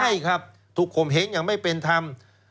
ใช่ครับถูกข่มเหงอย่างไม่เป็นธรรม